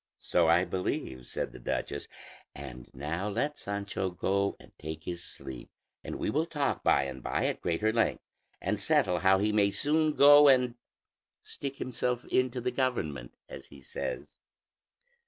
"So I believe," said the duchess; "and now let Sancho go and take his sleep, and we will talk by and by at greater length, and settle how he may soon go and stick himself into the government, as he says."